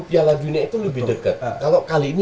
piala dunia itu lebih dekat kalau kali ini